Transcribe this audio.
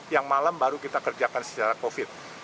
yang malam baru kita kerjakan secara covid